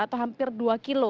atau hampir dua km